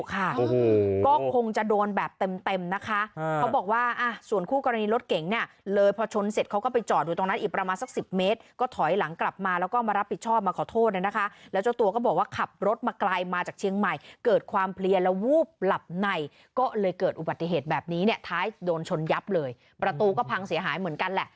ก็คงจะโดนแบบเต็มนะคะเขาบอกว่าส่วนคู่กรณีรถเก๋งเนี่ยเลยพอชนเสร็จเขาก็ไปจอดอยู่ตรงนั้นอีกประมาณสัก๑๐เมตรก็ถอยหลังกลับมาแล้วก็มารับผิดชอบมาขอโทษนะคะแล้วเจ้าตัวก็บอกว่าขับรถมาไกลมาจากเชียงใหม่เกิดความเพลียและวูบหลับในก็เลยเกิดอุบัติเหตุแบบนี้เนี่ยท้ายโดนชนยับเลยประตูก็พังเสียหายเหมือนกันแหละ